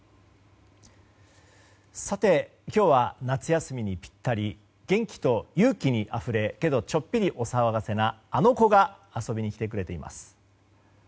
さて、今日は夏休みにぴったり元気と勇気にあふれだけど、ちょっぴりお騒がせなあの子が遊びに来てくれています。